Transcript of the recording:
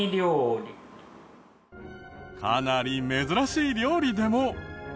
かなり珍しい料理でも。